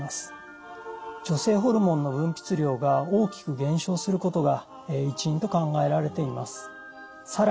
女性ホルモンの分泌量が大きく減少することが一因と考えられています。